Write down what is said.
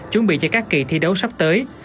chuẩn bị cho các kỳ thi đấu sắp tới